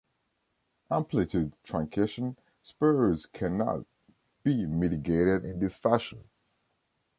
Amplitude truncation spurs can not be mitigated in this fashion.